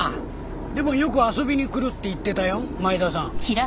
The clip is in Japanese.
でもよく遊びに来るって言ってたよ前田さん。